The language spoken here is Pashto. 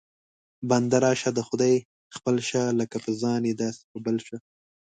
بنده راشه د خدای خپل شه، لکه په ځان یې داسې په بل شه